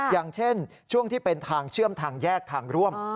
อย่างเช่นช่วงที่เป็นทางเชื่อมทางแยกทางร่วม